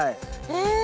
え？